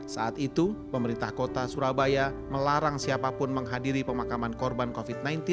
saat itu pemerintah kota surabaya melarang siapapun menghadiri pemakaman korban covid sembilan belas